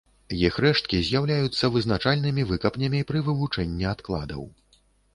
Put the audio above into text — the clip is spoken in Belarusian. Іх рэшткі з'яўляюцца вызначальнымі выкапнямі пры вывучэнні адкладаў.